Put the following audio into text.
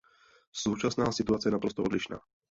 Současná situace je naprosto odlišná.